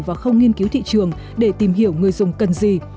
và không nghiên cứu thị trường để tìm hiểu người dùng cần gì